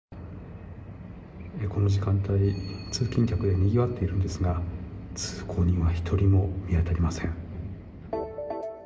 この時間帯、通勤客でにぎわっているんですが通行人は１人も見当たりません。